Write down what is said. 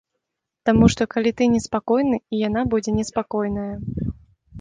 Таму што калі ты неспакойны, і яна будзе неспакойная.